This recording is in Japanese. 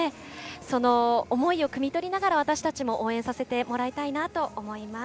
その思いをくみ取りながら私たちも応援させてもらいたいと思います。